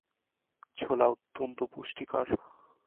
ছোলা অত্যন্ত পুষ্টিকর।